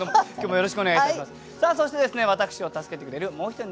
よろしくお願いします。